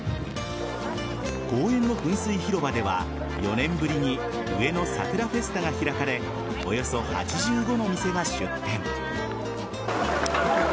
公園の噴水広場では４年ぶりにうえの桜フェスタが開かれおよそ８５の店が出店。